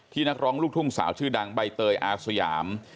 นักร้องลูกทุ่งสาวชื่อดังใบเตยอาสยาม